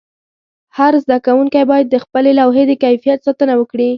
هر زده کوونکی باید د خپلې لوحې د کیفیت ساتنه وکړي.